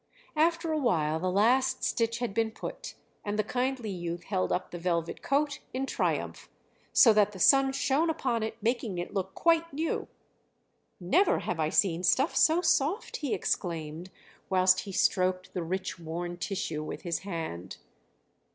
After a while the last stitch had been put, and the kindly youth held up the velvet coat in triumph, so that the sun shone upon it making it look quite new. "Never have I seen stuff so soft," he exclaimed, whilst he stroked the rich worn tissue with his hand.